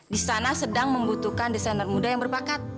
di sana sedang membutuhkan desainer muda yang berbakat